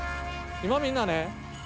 今みんなね